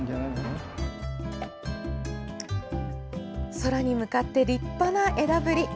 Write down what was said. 空に向かって立派な枝ぶり。